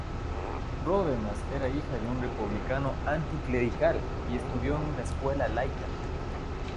Ródenas era hija de un republicano anticlerical, y estudió en una escuela laica.